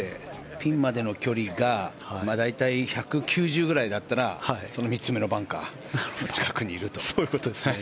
ピンまでの距離が大体１９０ぐらいならその３つ目のバンカーの近くにいると。